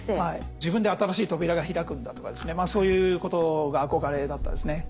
自分で新しい扉が開くんだとかですねそういうことが憧れだったんですね。